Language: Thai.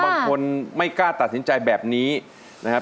บางคนไม่กล้าตัดสินใจแบบนี้นะครับ